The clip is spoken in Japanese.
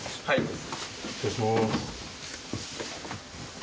はい。